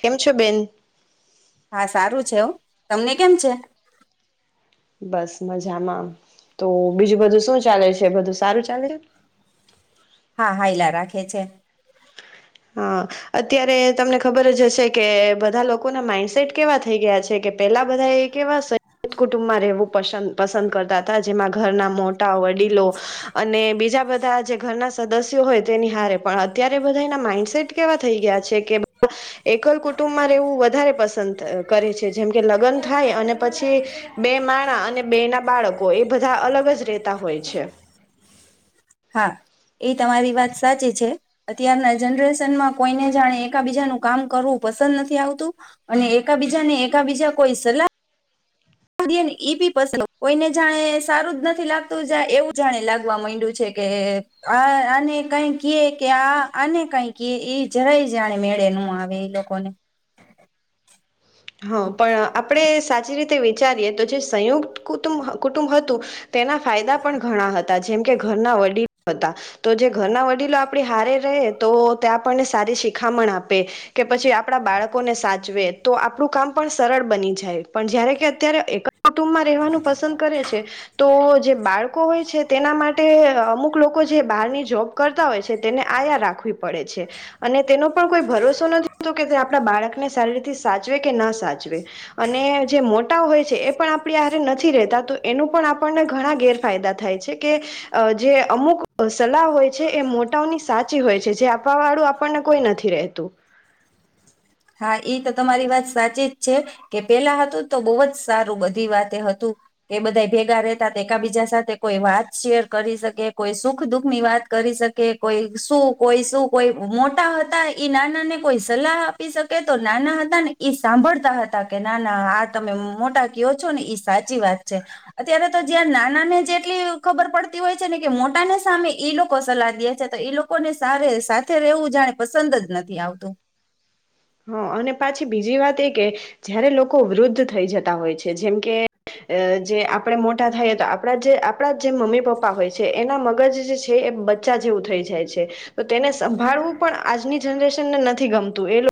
કેમ છે બેન. હા સારું છે એવ તમને કેમ છે? બસ મજામાં તો બીજું બધું શું ચાલે છે બધું સારું ચાલે છે. હા હાઈલા રાખે છે. હા અત્યારે તમને ખબર જ હશે કે બધા લોકોના માઈન્ડસેટ કેવા થઈ ગયા છે કે પેલા બધા એ કેવા સદ કુટુંબમાં રહેવું પસ પસંદ કરતા હતા જેમાં ઘરના મોટા વડીલો અને બીજા બધા જે ઘરના સદસ્યો હોય તેની હારે પણ અત્યારે બધાના માઇડ સીટ કેવા થઈ ગયા છે કે એકલ કુટુંબમાં રહેવું વધારે પસંદ કરે છે જેમ કે લગ્ન થાય અને પછી બે માણા અને બે ના બાળકો એ બધા અલગ જ રેતા હોય છે. હા એ તમારી વાત સાચી છે અત્યારના જનરેશનમાં કોઈને જાણે એકા બીજાનું કામ કરવું પસંદ નથી આવતું અને એકા બીજાને એકા બીજા કોઈ સલાહ એ બી પસંદ કોઈને જાણે સારું જ નથી લાગતું જ એવું જાણે લાગવા માંડ્યું છે કે આ આને કઈ ક કે આ આને કઈ ક એ જરાય જાણે મેળે ન આવે એ લોકોને હા પણ આપણે સાચી રીત તે વિચારીએ તો જે સંયુક્ત કુું કુટુંબ હતું તેના ફાયદા પણ ઘણા હતા જેમ કે ઘરના વડીલો હતા તો જે ઘરના વડીલો આપડી હારે રહે તો તે આપણને સારી શિખામણ આપે કે પછી આપણા બાળકોને સાચવે તો આપ આપણું કામ પણ સરળ બની જાય પણ જ્યારે કે અત્યારે એક જ કુટુંબમાં રહેવાનું પસંદ કરે છે તો જે બાળકો હોય છે તેના માટે અમુક લોકો જે બહારની જોબ કરતા હોય છે તેને આયા રાખવી પડે છે અને તેનો પણ કોઈ ભરોસો નથીતો કે આપણા બાળકને સારી રીતે સાચ જુવે કે ના સાચવે અને જે મોટા હોય છે એ પણ આપ નથી રહેતા તો એનું પણ આપણને ઘણા ગેરફાયદા થાય છે કે જે અમુક સલાહ હોય છે એ મોટાઓની સાથ સાચી હોય છે જે આપવા વાળું આપણને કોઈ નથી રતું હા એ તો તમારી વાત સાચી જ છે કે પેલા હતું તો બહુ જ સારું બધી વાત હતું કે બધા ભેગા રહેતા તો એક બીજા સાથે કોઈ વાત શેર કરી શકે કોઈ સુખ દુખ ની વાત કરી શકે કોઈ શું કોઈ શું કોઈ મોટા હતા ઈ નાના ને કોઈ સલાહ આપી શકે તો નાના હતા ને એ સાંભળતા હતા કે નાના આ તમે મોટા કયો છો ને સાચી વાત છે અત્યારે તો જ્યાં નાના ને જ એટલી ખબર પડતી હોય છે ને કે મોટા ને સામે લોકો સલાહ દે છે તો એ લોકોને સ સાથે રહેવું જાણે પસંદ જ નથી આવતું હા અને પાછી બીજી વાત એ કે જયારે લોકો વૃદ્ધ થઈ જતા હોય છે જેમ કે જે આપણે મોટા થઈએ તો આપણા જે આપણા જે મમ્મી પપ્પા હોય છે એના મગજ જે છે એ બચ્ચા જેવું થઈ જાય છે તો તેને સંભાળવું પણ આજની જનરેશન ને નથી ગમતું એ લોકો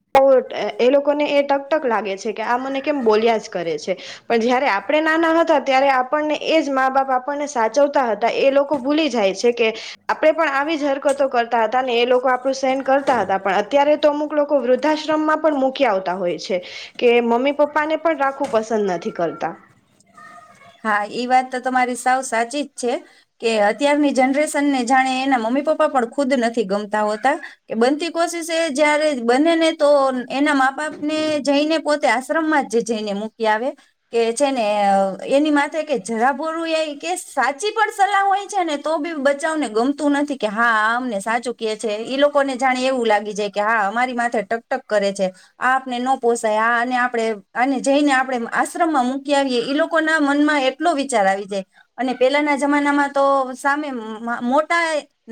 એ લોકોને એ ટકટક લાગે છે કે આ મને કેમ બોલ્યા જ કરે છે, પણ જયારે આપણે નાના હતા ત્યારે આપણને એ જ મા બાપ આપણને સાચવતા હતા એ લોકો ભૂલી જાય છે કે, આપણે પણ આવી જ હરકતો કરતા હતા ને એ લોકો આપણું સહેન કરતા હતા પણ અત્યારે તો અમુક લોકો વૃદ્ધ ાશ્રમમાં પણ મૂકી આવતા હોય છે, કે મમ્મી પપ્પાને પણ રાખવું પસંદ નથી કરતા. હા ઈ વાત તો તમારી સાવ સાચી જ છે, કે અત્યારની જનરેશનને જાણે એના મમ્મી પપ્પા પણ ખુદ નથી ગમતા હોતા, કે બનતી કોશિસે જયારે બને ને તો એના મા બાપને જઈને પોતે આશ્રમમાં જ જઈને મૂકી આવે, કે છે ને એની માથે જરાબોરું એ કે સાચી પણ સલાહ હોય છે ને તો બી બચાવને ગમતું નથી કે હા આ અમને સાચું કહે છે ઈ લોકોને જાણે એવું લાગી જાય કે હા અમારી માથે ટકટક કરે છે, આ આપને ન પોસાય આ અને આપણે અને જઈને આપણે આશ્રમમાં મૂકી આવીએ લોકો લોકો ના મનમાં એટલો વિચાર આવી જાય અને પેલાના જમાનામાં તો સામે મોટા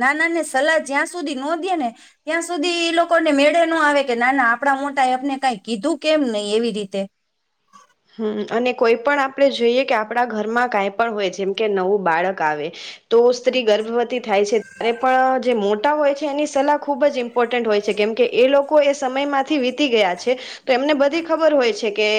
નાના ની સલાહ જ્યાં સુધી નોંધીએ ને ત્યાં સુધી એ લોકોને મેળે ન આવે કે નાના આપણા મોટા એ આપને કઈ કીધું કેમ નહી એવી રીતે હમ અને કોઈ પણ આપણે જોઈએ કે આપણા ઘરમાં કાઈ પણ હોય જેમ કે નવું બાળક આવે, તો સ્ત્રી ગર્ભવતી થાય છે ત્યારે પણ જે મોટા હોય છે એની સલાહ ખૂબ જ ઇમ્પોર્ટન્ટ હોય છે કેમકે એ લોકો એ સમયમાંથી વીતી ગયા છે, તો એમને બધી ખબર હોય છે કે.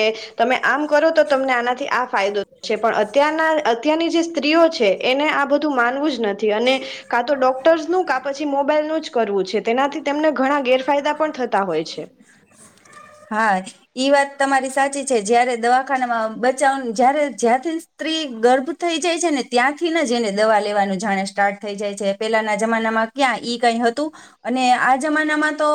તમે આમ કરો તો તમને આનાથી આ ફાયદો છે પણ અત્યારના અત્યારની જે સ્ત્રીઓ છે એને આ બધું માનવું જ નથી અને, કા તો ડોક્ટર્સનું કા પછી મોબાઈલનું જ કરવું છે તેનાથી તેમને ઘણા ગેરફાયદા પણ થતા હોય છે. હા ઈ વાત તમારી સાચી છે જયારે દવાખાનામાં બચાવ જય્યારે જ્યાંથી સ્ત્રી ગર્ભ થઈ જાય છે ને ત્યાંથી જ એને દવા લેવાનું જાણે સ્ટાર્ટ થઈ જાય છે પેલાના જમાનામાં ક્યાં ઈ કઈ હતું, અને આ જમાનામાં તો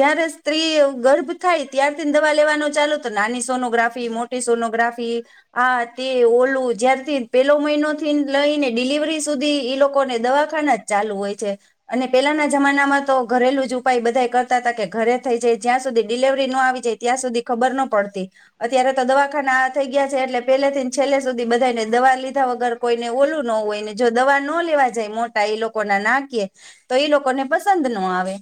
જય્યારે સ્ત્રી ગર્ભ થાય ત્યારથી દવા લેવાનું ચાલુ તો નાની સોનોગ્રાફી મોટી સોનોગ્રાફી, આ તે ઓલું જ્યારથી પેલો મહિનો થી લઈ ને ડિલિવરી સુધી ઈ લોકોને દવાખાના જ ચાલુ હોય છે, અને પેલાના જમાનામાં તો ઘરેલું જ ઉપાય બધા કરતા હતા કે ઘરે થઈ જાય જ્યાં સુધી ડિલવરી ન આવી જાય ત્યાં સુધી ખબર ન પડતી, અત્યારે તો દવાખાના થઈ ગયા છે એટલે પહેલેથી છેલ્લે સુધી બધાને દવા લીધા વગર કોઈને ઓલું ન હોય ને જો દવા ન લેવા જાય મોટા એ લોકો ના નાકી, તો ઈ લોકોને પસંદ ન આવે.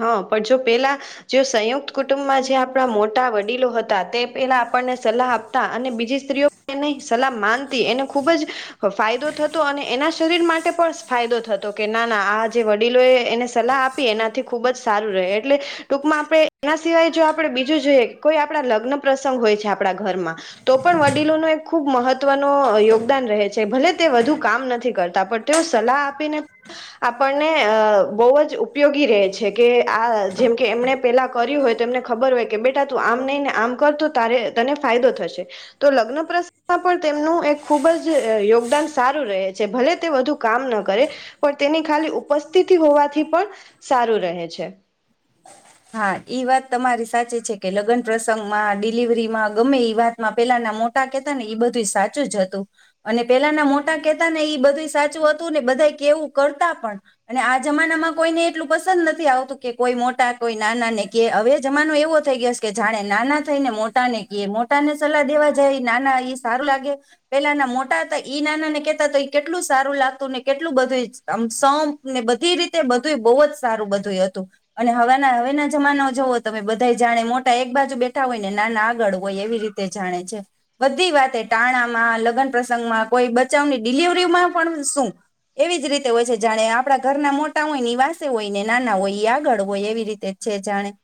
હા પણ જો પેલા, જે સંયુક્ત કુટુંબમાં જે આપણા મોટા વડીલો હતા. તે પેલા આપણને સલાહ આપતા અને બીજી સ્ત્રીઓ એની સલાહ માનતી એને ખૂબ જ, ફાયદો થતો અને એના શરીર માટે પણ ફાયદો થતો કે ના ના આ જે વડીલો એ એને સલાહ આપી એના ખૂબ જ સારું રહે એટલે, ટૂંકમાં આપણે એના સિવાય જો આપણે બીજું જોઈએ કોઈ આપણા લગ્ન પ્રસંગ હોય છે આપણા ઘરમાં, તો પણ વડીલો ન એક ખૂબ મહત્વનો યોગદાન રહે છે ભલે તે વધુ કામ નથી કરતા પણ તેઓ સલાહ આપીને, આપણને અ બહુ જ ઉપયોગી રહે છે. કે આ જેમ કે એમણે પેલા કર્યું હોય તો એમને ખબર હોય કે બેટા તું આમ નહી ને આમ કર તો ત તને ફાયદો થશે, તો લગ્ન પ્રસમાં પણ તેમનું એક ખુબ જ યોગદાન સારું રહે છે ભલે તે વધુ કામ ન કરે, પણ તેની ખાલી ઉપસ્થિતિ હોવાથી પણ સારું રહે છે. હા ઈ વાત તમારી સાચી છે કે લગ્ન પ્રસંગમાં ડિલિવરીમાં ગમે એ વાતમાં પેલાના મોટા કેતા ને બધું સાચું જ હતું, અને પેલાના મોટા કેતા ને ઈ બધું સાચું હતું ને બધા કેવું કરતા પણ, અને આ જમાનામાં કોઈને એટલું પસંદ નથી આવતું કે કોઈ મોટા કોઈ નાના ને ક હવે જમાનો એવો થઈ ગયો કે જાણે નાના થઈ ને મોટા ને કહે મોટા ને સલાહ દેવા જાય નાના ઈ સારું લાગે, પેલાના મોટા હતા ઈ નાના ને કેતા તો એ કેટલું સારું લાગતું ને કેટલું બધું સૌ ને બધી રીતે બધું બહુ જ સારું બધું હતું, અને હવા હવે ના જમાના જવો તમે બધા જાણે મોટા એક બાજુ બેઠા હોય ને નાના આગળ હોય એવી રીતે જાણે છે, બધી વાતે ટાણામાં લગ્ન પ્રસંગ માં કોઈ બચાવની ડિલિવરીમાં પણ શું, એવી જ રીતે હોય છે જાણે આપણા ઘરના મોટા હોય વાસે હોય ને નાના હોય એ આગળ હોય એવી રીતે. તે છે જાણે.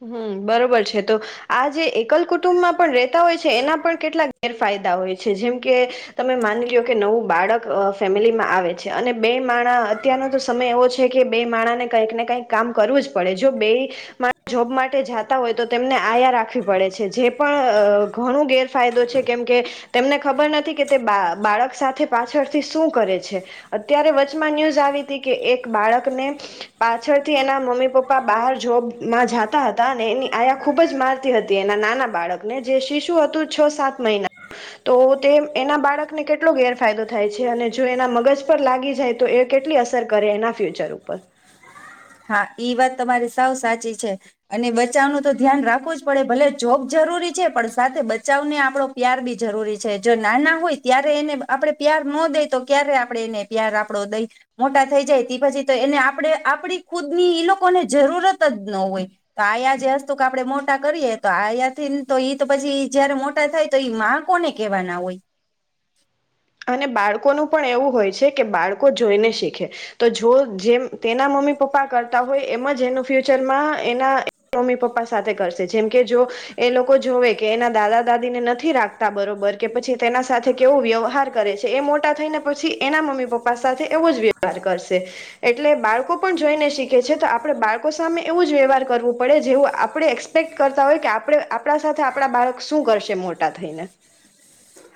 હમ બરોબર છે તો. આ જે એકલ કુટુંબ માં પણ ર હોય છે એના પણ કેટલાક ગેરફાયદા હોય છે જેમ કે તમે માની લો કે નવું બાળક ફેમિલીમાં આવે છે અને બે માણા અત્યારનો તો સમય એવો છે કે બે માણા ને કંઈક ને કઈક કામ કરવું જ પડે જો બે મા જોબ માટે જાતા હોય તો તેમને આયા રાખવી પડે છે જે પણ ઘણો ગેરફાયદો છે કેમકે તેમને ખબર નથી કે તે બા બાળક સાથે પાછળથી શું કરે છે અત્યારે વચમાં ન્યૂઝ આવી હતી કે એક બાળકને પાછળથી એના મમ્મી પપ્પા બહાર જોબ માં જાતા હતા અને એની આયા ખૂબ જ મારતી હતી એના નાના બાળકને જે શિશુ હતું છ સાત મહિના તો એના બાળકને કેટલો ગેરફાયદો થાય છે અને જો એના મગજ પર લાગી જાય તો એ કેટલી અસર કરે એના ફ્યુચર ઉપર હા ઈ વાત તમારી સાવ સાચી છે અને બચાવનું તો ધ્યાન રાખવું જ પડે ભલે જોબ જરૂરી છે પણ સાથે બચાવને આપણો પ્યાર બી જરૂરી છે જો નાના હોય ત્યારે એને આપણે પ્યાર ન દઈ તો ક્યારે આપણે એને પ્યાર આપણો દઈ મોટા થઈ જાય તે પછી તો એને આપણે આપડી ખુદ ની ઈ લોકોને જરૂરત જ ન હોય તો આયા જે હસ્તુ આપડણે મોટા કરીએ તો આયાથીને તો ઈ તો પછી જયારે મોટા થાય તો ઈ માં કોને કહેવાના હોય અને બાળકોનું પણ એવું હોય છે કે બાળકો જોઈને શીખે તો જો જેમ તેના મમ્મી પપ્પા કરતા હોય એમ જ એનું ફ્યુચરમાં એના મમ્મી પપ્પા સાથે કરશે જેમ કે જો એ લોકો જોવે કે એના દાદા દાદીને નથી રાખતા બરોબર કે પછી તેના સાથે કેવો વ્યવહાર કરે છે એ મોટા થઈ ને પછી એના મમ્મી પપ્પા સાથે એવો જ વ્યવહાર કરશે એટલે બાળકો પણ જોઈને શીખે છે તો આપણે બાળકો સામે એવું જ વ્યવહાર કરવું પડે જેવું આપણે એક્સપેક્ટ કરતા હોય કે આપણે આપણા સાથે આપણા બાળક શું કરશે મોટા થઈને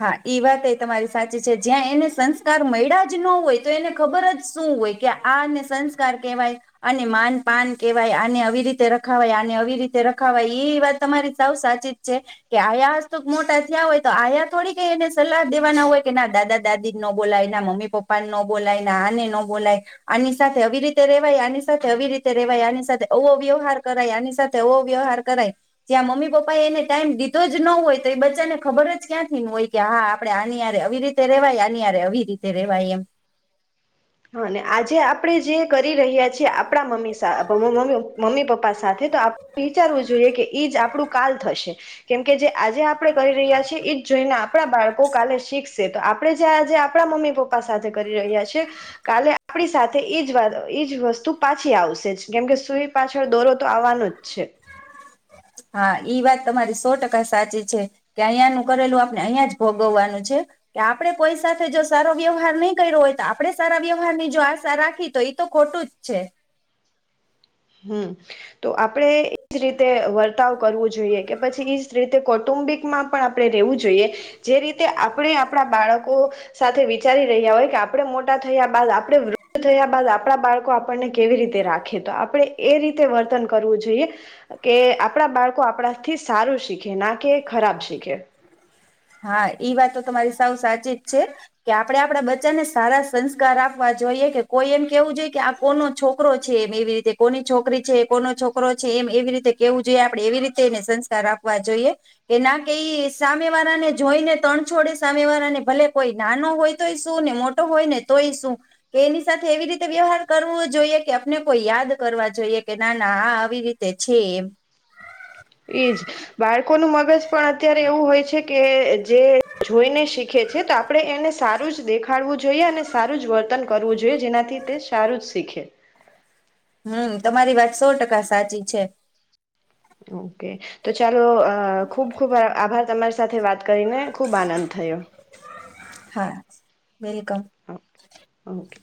હા એ વાત એ તમારી સાચી છે જ્યાં એને સંસ્કાર મળ્યા જ ન હોય તો એને ખબર જ શું હોય કે આને સંસ્કાર કેહેવાય અને માન પાન કહેવાય આને આવી રીતે રખાવાય આને આવી રીતે રખાવાય એ વાત તમારી સાૌ સાચી જ છે કે આયા હસ્તુક મોટા થયા હોય તો આયા થોડી કઈ એને સલાહ દેવાના હોય કે ના દાદા દાદી ન બોલાય ના મમ્મી પપ્પા ન બોલાય ના આને ન બોલાય આની સાથે આવી રીતે રેવાય આની સાથે આવી રીતે રેવાય આની સાથે અવો વ્યવહાર કરાય આની સાથે અવો વ્યવહાર કરાય જ્યાં મમ્મી પપ્પા એને ટાઈમ દીધો જ ન હોય તો એ બચ્ચાનેબર જ ક્યાંથી હોય કે હા આપડે આનીયરે આવી રીતે રેવાય આનીયરે આવી રીતે રેવાય એમ હા ને આજે આપણે જે કરી રહ્યા છીએ આપણા મમ્મી મમ્મી પપ્પા સાથે તો આપ વિચારવું જોઈએ કે એ જ આપણું કાલ થશે કેમકે જે આજે આપણે કરી રહ્યા છીએ એ જ જોઈને આપ આપણા બાળકો કાલે શીખશે તો આપડે જે આજે આપણા મમ્મી પપ્પા સાથે કરી રહ્યા છે કાલે આપણી સાથે ઈજ વા ઈજ વસ્તુ પાછી આવશે જ કેમકે સુઈ પાછળ દોરો તો આવવાનો જ છે હા ઈ વાત તમારી સો ટકા સાચી છે કે અહીંયાનું કરેલું આપણે અહિયાં જ ભોગવવાનું છે કે આપણે કોઈ સાથે જો સારો વ્યવહાર નહી કર્યો હોય તો આપણે સારા વ્યવહાર ની જો આશા રાખીએ તો એ તો ખોટું જ છે હમ તો આપણેે એજ રીતે વર્તાવ કરવો જોઈએ કે પછી ઈજ રીતે કૌટુંબિક માં પણ આપણે રેવું જોઈએ જે રીતે આપણે આપણા બાળકો સાથે વિચારી રહ્યા હોય કે આપણે મોટા થયા બાદ આપણે વૃદ્ધ થયા બાદ આપણા બાળકો આપણને કેવી રીતે રાખે તો આપણે આપણે એ રીતે વર્તન કરવું જોઈએ કે આપણા બાળકો આપણાથી સારું શીખે ના કે ખરાબ શીખે. હા ઈ વાત તો તમારી સાવ સાચી જ છે કે આપડે આપડા બચ્ચાને સારા સંસ્કાર આપવા જોઈએ કે કોઈ એમ કેવું જોઈએ કે આ કોનો છોકરો છે એમ એવી રીતે કોની છોકરી છે કોનો છોકરો છે એમ એવી રીતે કેવું જોઈએ આપડણે એવી રીતે એને સંસ્કાર આપવા જોઈએ કે ના કે એ સામે વાળાને જોઈને તણ છોડે સામે વાળા ને ભલે કોઈ નાનો હોય તોય શું ને મોટો હોય ને તોય શું કે એની સાથે એવી રીતે વ્યવહાર કરવો જોઈએ કે આપને કોઈ યાદ કરવા જોઈએ કે નાના આ આવી રીતે છે એમ એઈ જ બાળકોનું મગજ પણ અત્યારે એવું હોય છે. કે જે જોઈને શી ીે છે તો આપણે એને સારું જ દેખાડવું જોઈએ અને સારું જ વર્તન કરવું જોઈએ જેનાથી તે સારું જ શીખે હમ તમારી વાત સો ટકા સાચી છે. [inaudible] ઓ તો ચાલો ખૂબ ખુબ આભાર તમાર સાથે વાત કરીને ખૂબ આનંદ થયો હા વેલકમ ઓકે.